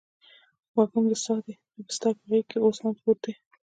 وږم د ساه دی دبسترپه غیږکې اوس هم پروت دي